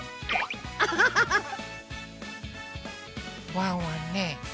ワンワンね